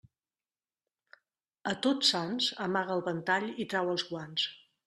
A Tots Sants, amaga el ventall i trau els guants.